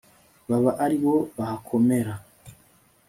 baba ari bo bahakomera